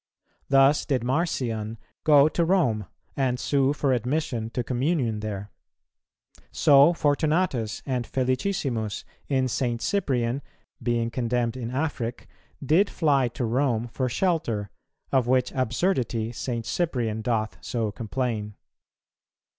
Thus did Marcion go to Rome, and sue for admission to communion there. So Fortunatus and Felicissimus in St. Cyprian, being condemned in Afric, did fly to Rome for shelter; of which absurdity St. Cyprian doth so complain.